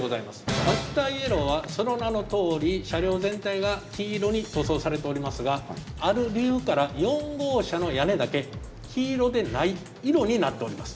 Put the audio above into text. ドクターイエローはその名のとおり車両全体が黄色に塗装されておりますがある理由から４号車の屋根だけ黄色でない色になっております。